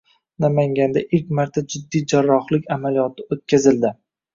Namanganda ilk marta jiddiy jarrohlik amaliyoti o‘tkazildi